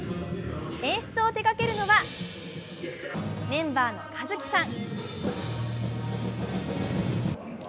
演出を手がけるのはメンバーのＫａｚｕｋｉさん。